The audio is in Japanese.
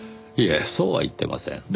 いえそうは言ってません。